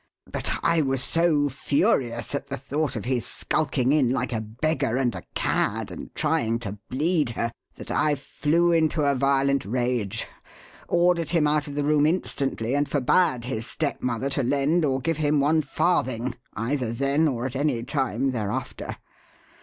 But I was so furious at the thought of his skulking in like a beggar and a cad, and trying to 'bleed' her, that I flew into a violent rage, ordered him out of the room instantly, and forbade his stepmother to lend or give him one farthing either then or at any time thereafter.